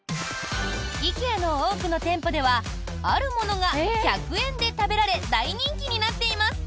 ＩＫＥＡの多くの店舗ではあるものが１００円で食べられ大人気になっています。